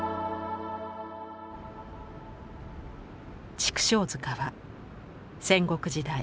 「畜生塚」は戦国時代